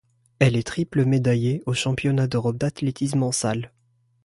Elle est triple médaillée aux Championnats d'Europe d'athlétisme en salle.